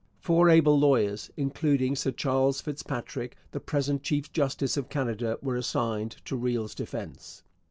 Four able lawyers, including Sir Charles Fitzpatrick, the present chief justice of Canada, were assigned to Riel's defence.